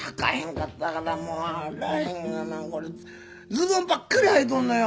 ズボンばっかり履いとんのよ。